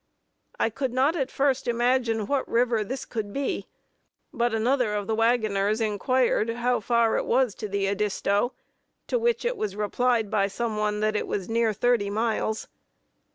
I could not at first imagine what river this could be; but another of the wagoners inquired how far it was to the Edisto, to which it was replied by some one that it was near thirty miles.